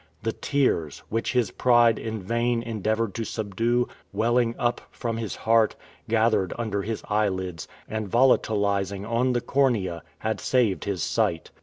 The tears, which his pride in vain endeavored to subdue, welling up from his heart, gathered under his eyelids, and volatilizing on the cornea, had saved his sight.